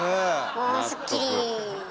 おすっきり。